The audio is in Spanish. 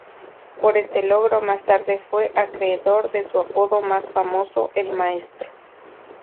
Por este logro, más tarde fue acreedor de su apodo más famoso: El Maestro.